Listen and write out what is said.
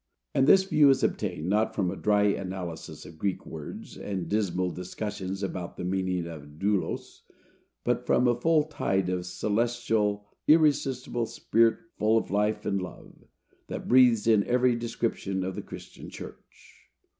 And this view is obtained, not from a dry analysis of Greek words, and dismal discussions about the meaning of doulos, but from a full tide of celestial, irresistible spirit, full of life and love, that breathes in every description of the Christian church.